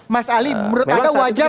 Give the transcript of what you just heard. mas ali menurut anda wajar